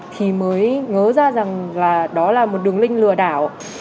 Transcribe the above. thì mới ngớ ra rằng là đó là một đường link lừa đảo